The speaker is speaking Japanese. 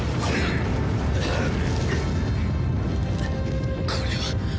これは。